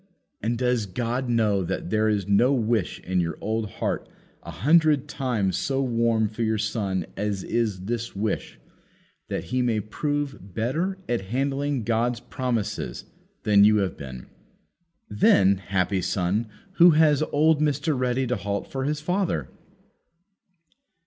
And does God know that there is no wish in your old heart a hundred times so warm for your son as is this wish, that he may prove better at handling God's promises than you have been? Then, happy son, who has old Mr. Ready to halt for his father!